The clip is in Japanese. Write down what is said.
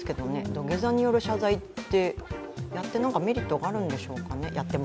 土下座による謝罪って、やってもらってメリットがあるんですかね。